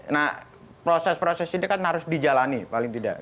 nah proses proses ini kan harus dijalani paling tidak